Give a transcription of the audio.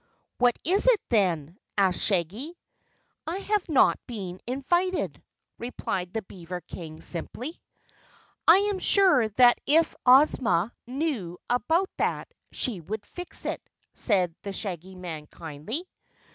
"What is it, then?" asked Shaggy. "I have not been invited," replied the beaver King simply. "I am sure that if Ozma knew about that, she would fix it," said the Shaggy Man kindly.